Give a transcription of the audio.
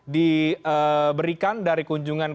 diberikan dari kunjungan